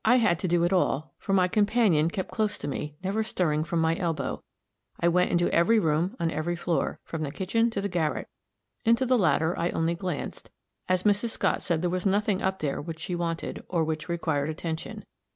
I had to do it all, for my companion kept close to me, never stirring from my elbow. I went into every room on every floor, from the kitchen to the garret. Into the latter I only glanced, as Mrs. Scott said there was nothing up there which she wanted, or which required attention.